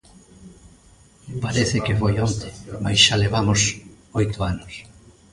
Parece que foi onte, mais xa levamos oito anos.